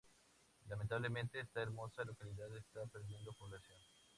Lamentablemente esta hermosa localidad está perdiendo población.